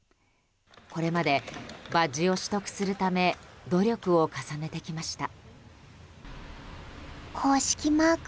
これまでバッジを取得するため努力を重ねてきました。